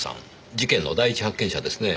事件の第一発見者ですねぇ。